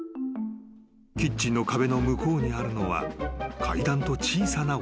［キッチンの壁の向こうにあるのは階段と小さな踊り場］